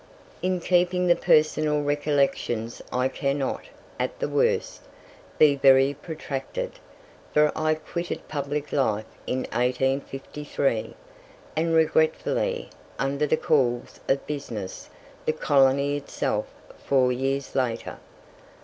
In keeping to personal recollections I cannot, at the worst, be very protracted, for I quitted public life in 1853, and regretfully, under the calls of business, the colony itself four years later.